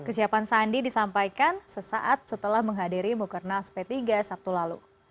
kesiapan sandi disampaikan sesaat setelah menghadiri mukernas p tiga sabtu lalu